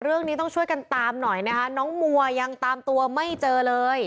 เรื่องนี้ต้องช่วยกันตามหน่อยนะคะน้องมัวยังตามตัวไม่เจอเลย